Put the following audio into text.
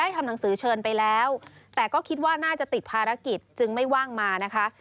ก็เป็นไปตามที่คณะกรรมการได้พิจารณาละ